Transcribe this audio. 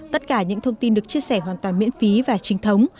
tất cả những thông tin được chia sẻ hoàn toàn miễn phí và trinh thống